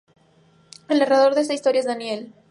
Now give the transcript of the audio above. El narrador de esta historia es Daniel.